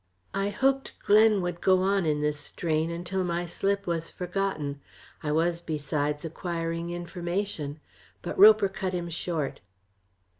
I hoped Glen would go on in this strain until my slip was forgotten. I was, besides, acquiring information. But Roper cut him short.